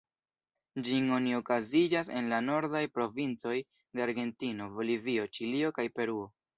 Ĝin oni okazigas en la nordaj provincoj de Argentino, Bolivio, Ĉilio kaj Peruo.